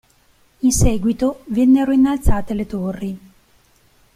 In seguito vennero innalzate le torri.